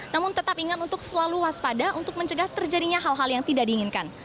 namun tetap ingat untuk selalu waspada untuk mencegah terjadinya hal hal yang tidak diinginkan